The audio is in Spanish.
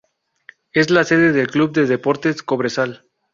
Es la sede del Club de Deportes Cobresal.